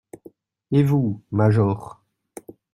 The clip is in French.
Et vous, major?